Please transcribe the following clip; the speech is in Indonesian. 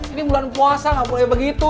ini bulan puasa gak boleh begitu